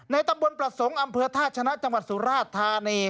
ตำบลประสงค์อำเภอท่าชนะจังหวัดสุราชธานี